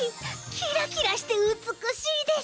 キラキラしてうつくしいです！